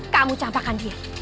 kamu campakkan dia